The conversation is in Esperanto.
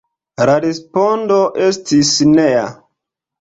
La respondo estis nea.